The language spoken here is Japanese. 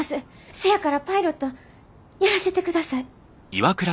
せやからパイロットやらせてください。